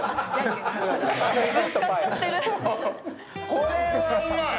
これはうまい！